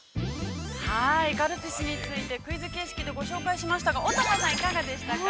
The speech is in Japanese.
◆カルピスについてクイズ形式でご紹介しましたが、乙葉さん、いかがでしたか。